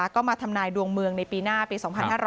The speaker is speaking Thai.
ก็มาทำนายดวงเมืองในปีหน้าปี๒๕๕๙